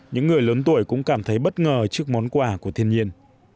những người lớn tuổi cũng cảm thấy bất ngờ trước món quà của thiên nhiên